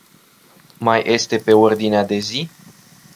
Mai este pe ordinea de zi?